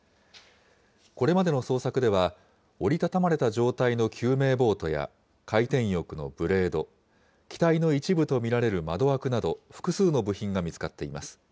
これまでの捜索では、折り畳まれた状態の救命ボートや回転翼のブレード、機体の一部と見られる窓枠など、複数の部品が見つかっています。